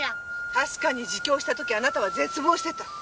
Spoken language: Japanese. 確かに自供した時あなたは絶望してた。